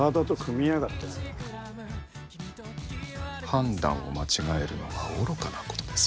判断を間違えるのは愚かなことですよ。